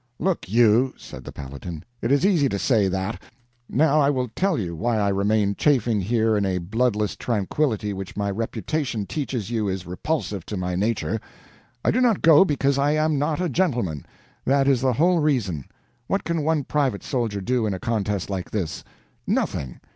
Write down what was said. "Look you," said the Paladin, "it is easy to say that. Now I will tell you why I remain chafing here in a bloodless tranquillity which my reputation teaches you is repulsive to my nature. I do not go because I am not a gentleman. That is the whole reason. What can one private soldier do in a contest like this? Nothing.